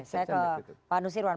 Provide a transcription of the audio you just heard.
saya ke pak nusirwan